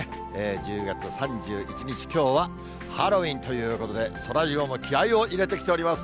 １０月３１日、きょうはハロウィーンということで、そらジローも気合いを入れてきております。